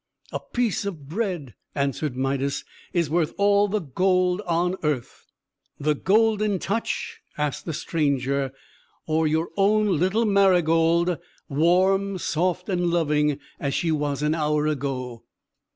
"A piece of bread," answered Midas, "is worth all the gold on earth!" "The Golden Touch," asked the stranger, "or your own little Marygold, warm, soft, and loving as she was an hour ago?"